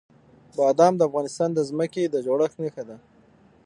بادام د افغانستان د ځمکې د جوړښت نښه ده.